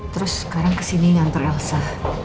terus sekarang kesini nyantar elsa